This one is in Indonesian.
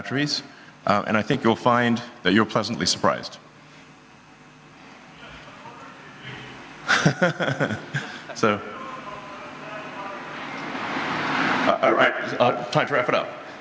telah meningkat secara dramatis selama beberapa tahun